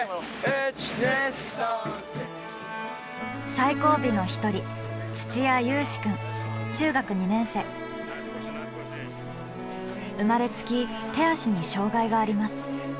最後尾の一人生まれつき手足に障害があります。